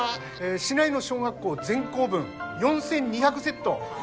市内の小学校全校分４，２００セット